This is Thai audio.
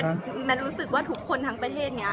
แมทรู้สึกว่าทุกคนทั้งประเทศนี้